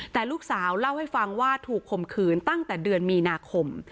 แต่ลูกสาวเล่าให้ฟังว่าถูกข่มขืนตั้งแต่เดือนมีนาคม